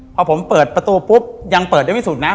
พอผมเปิดประตูปุ๊บยังเปิดได้วิสูจนนะ